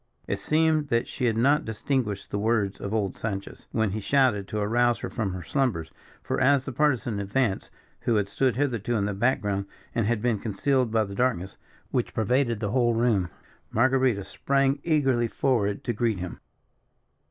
It seemed that she had not distinguished the words of old Sanchez, when he shouted to arouse her from her slumbers; for, as the Partisan advanced, who had stood hitherto in the back ground, and had been concealed by the darkness which pervaded the whole room. Marguerita sprang eagerly forward to greet him.